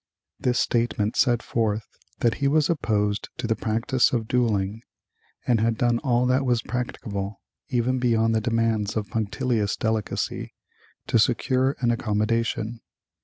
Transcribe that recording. This statement set forth that he was opposed to the practice of dueling and had done all that was practicable, even beyond the demands of a punctilious delicacy, to secure an accommodation.